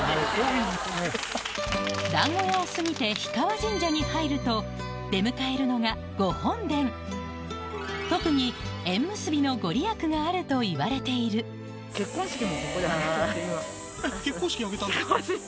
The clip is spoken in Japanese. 団子屋を過ぎて氷川神社に入ると出迎えるのが特に縁結びの御利益があるといわれている結婚式挙げたんですか。